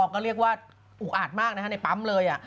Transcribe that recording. ก็เรียกว่าอุกอาจมากในปั๊มเลย